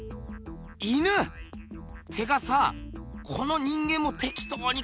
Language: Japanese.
犬？ってかさこの人間もてきとうにかいてんな。